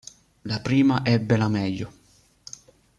La prima ebbe la meglio.